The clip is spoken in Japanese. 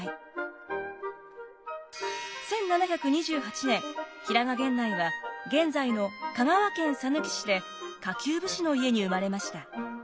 １７２８年平賀源内は現在の香川県さぬき市で下級武士の家に生まれました。